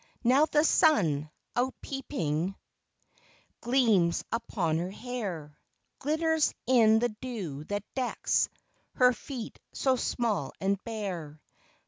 Now the sun, out peeping, Gleams upon her hair, Glitters in the dew that decks Her feet so small and bare.